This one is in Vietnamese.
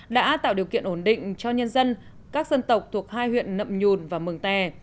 đã tạo điều kiện ổn định cho nhân dân các dân tộc thuộc hai huyện nậm nhùn và mừng tè